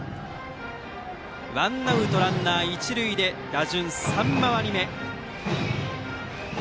ワンアウトランナー、一塁で打順３回り目。